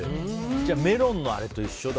じゃあメロンのあれと一緒だ。